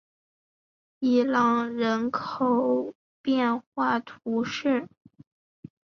比朗人口变化图示